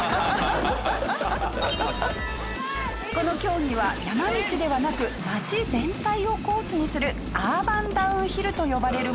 この競技は山道ではなく街全体をコースにするアーバンダウンヒルと呼ばれるものだそうです。